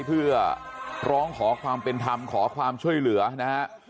เพื่อร้องขอความเป็นธรรมขอความช่วยเหลือนะฮะ